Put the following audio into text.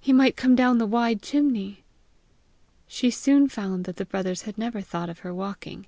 He might come down the wide chimney! She soon found that the brothers had never thought of her walking.